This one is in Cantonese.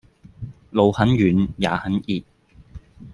路很遠也很熱